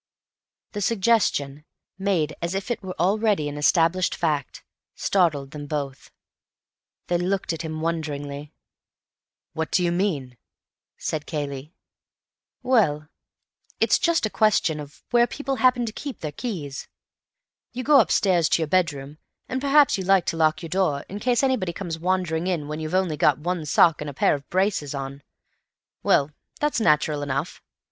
The suggestion, made as if it were already an established fact, startled them both. They looked at him wonderingly. "What do you mean?" said Cayley. "Well, it's just a question of where people happen to keep their keys. You go up to your bedroom, and perhaps you like to lock your door in case anybody comes wandering in when you've only got one sock and a pair of braces on. Well, that's natural enough.